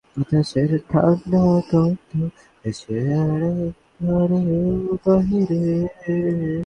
দেখ, এসব বাদ দেওয়ার চেষ্টা কর, বুঝছিসই তো।